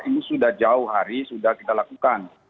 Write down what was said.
ini sudah jauh hari sudah kita lakukan